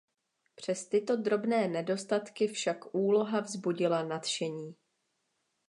Přes tyto drobné nedostatky však úloha vzbudila nadšení.